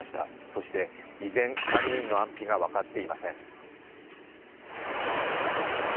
そして依然３人の安否が分かっていません。